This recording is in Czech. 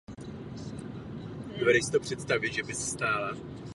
Nedostal mnoho nabídek a nakonec si vybral University of Wisconsin–Madison.